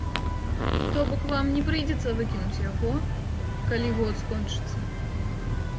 То бок, вам не прыйдзецца выкінуць яго, калі год скончыцца.